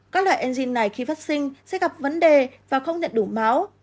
các loại enzym này khi phát sinh sẽ gặp vấn đề và không nhận đủ máu